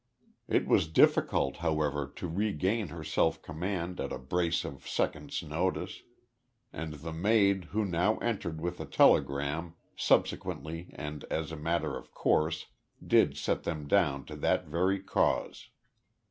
It was difficult, however, to regain her self command at a brace of seconds' notice, and the maid who now entered with a telegram, subsequently and as a matter of course did set them down to that very cause.